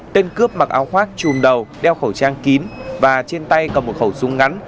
tên cướp mặc áo khoác chùm đầu đeo khẩu trang kín và trên tay cầm một khẩu súng ngắn